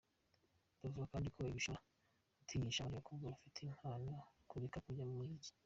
Bavuga kandi ko ibi bishobora gutinyisha abandi bakobwa bafite impano kureka kujya mu muziki.